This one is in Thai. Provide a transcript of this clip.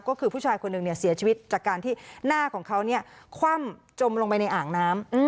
ก็คือผู้ชายคนหนึ่งเสียชีวิตจากการที่หน้าของเขาคว่ำจมลงไปในอ่างน้ำ